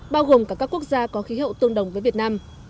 bao gồm cả các quốc gia có khí hậu tương đồng với việt nam